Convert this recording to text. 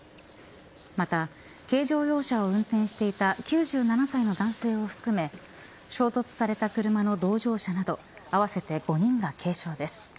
また、軽乗用車を運転していた９７歳の男性を含め衝突された車の同乗者など合わせて５人が軽傷です。